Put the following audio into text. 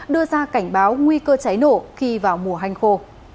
đưa ra cảnh báo nguy cơ cháy nổ khi vào mùa hanh khô